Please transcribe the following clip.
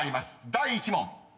第１問］